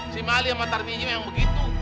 si mali amit tarmidhi memang gitu